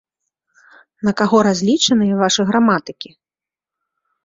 На каго разлічаныя вашы граматыкі?